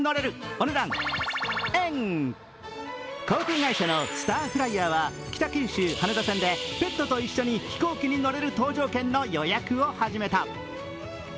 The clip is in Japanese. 航空会社のスターフライヤーは北九州−羽田線でペットと一緒に飛行機に乗れる搭乗券の予約を始めた。